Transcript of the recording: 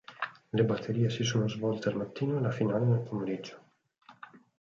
Le batterie si sono svolte al mattino e la finale nel pomeriggio.